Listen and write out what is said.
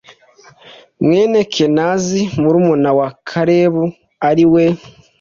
Mwene kenazi murumuna wa kalebu ari we